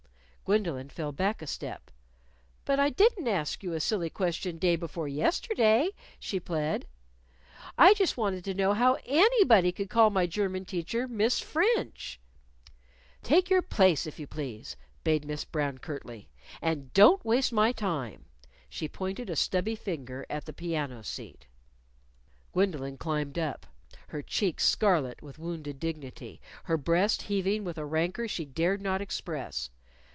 Gwendolyn fell back a step. "But I didn't ask you a silly question day before yesterday," she plead. "I just wanted to know how _any_body could call my German teacher Miss French." "Take your place, if you please," bade Miss Brown curtly, "and don't waste my time." She pointed a stubby finger at the piano seat. Gwendolyn climbed up, her cheeks scarlet with wounded dignity, her breast heaving with a rancor she dared not express.